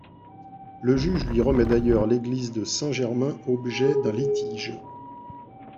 Le juge lui remet d'ailleurs l'église de Saint-Germain, objet d'un litige.